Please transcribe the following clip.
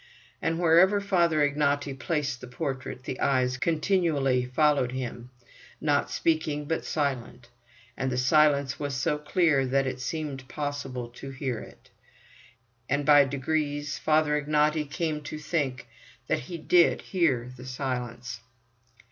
And wherever Father Ignaty placed the portrait, the eyes continually followed him, not speaking, but silent; and the silence was so clear that it seemed possible to hear it. And by degrees Father Ignaty came to think that he did hear the silence.